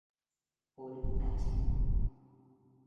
Pool H